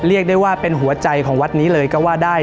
เรียกได้ว่าเป็นหัวใจของวัดนี้เลยก็ว่าได้